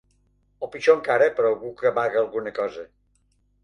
O pitjor encara, per algú que amaga alguna cosa!